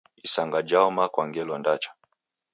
Isanga jaoma kwa ngelo ndacha.